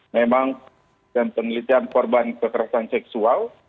memang dan penelitian korban kekerasan seksual